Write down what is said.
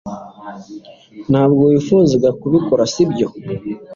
ntabwo wifuzaga kubikora, sibyo